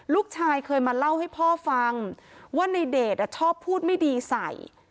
ลูกชายเคยมาเล่าให้พ่อฟังว่าในเดชชอบพูดไม่ดีใส่